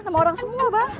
nama orang semua bang